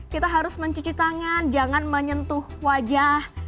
kita harus mencuci tangan jangan menyentuh wajah